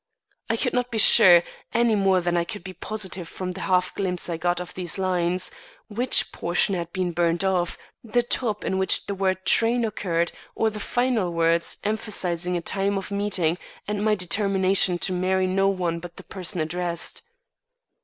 I could not be sure, any more than I could be positive from the half glimpse I got of these lines, which portion had been burned off, the top in which the word train occurred, or the final words, emphasising a time of meeting and my determination to marry no one but the person addressed.